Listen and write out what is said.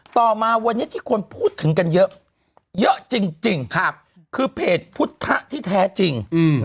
ต่อมาวันนี้ที่คนพูดถึงกันเยอะเยอะจริงคือเพจพุทธที่แท้จริง